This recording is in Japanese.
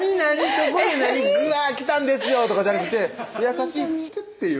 「そこでグワー来たんですよ」とかじゃなくて優しいチュッていう？